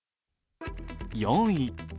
４位。